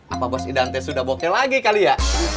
apa bos idante sudah bokeh lagi kali ya